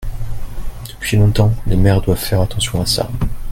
Depuis longtemps les maires doivent faire attention à ça.